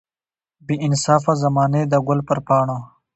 بې انصافه زمانې د ګل پر پاڼو.